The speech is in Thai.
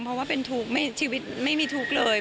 เพราะว่าเป็นทุกข์ชีวิตไม่มีทุกข์เลย